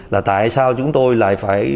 là tại sao chúng tôi lại phải